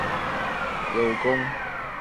天会十一年有功。